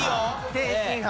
天津飯。